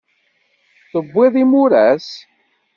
Tewwiḍ imuras?